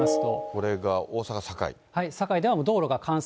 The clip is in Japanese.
これが大阪・堺。